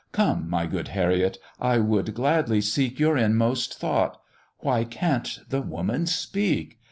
Come, my good Harriet, I would gladly seek Your inmost thought Why can't the woman speak?